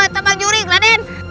teman juri raden